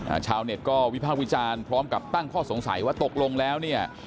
ชาวเน็ตก็วิพากษ์วิจารณ์พร้อมกับตั้งข้อสงสัยว่าตกลงแล้วเนี่ย